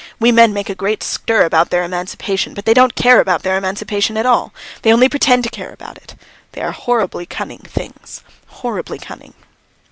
We men make a great stir about their emancipation, but they don't care about their emancipation at all, they only pretend to care about it; they are horribly cunning things, horribly cunning!"